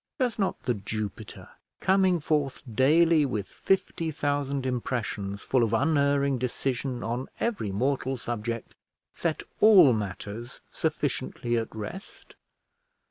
Does not The Jupiter, coming forth daily with fifty thousand impressions full of unerring decision on every mortal subject, set all matters sufficiently at rest?